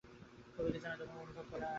তবে কী জানো, তোমার অনুভব করা আর আমার বোঝার।